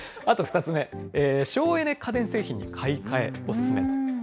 あと２つ目、省エネ家電製品に買い替え、お勧めと。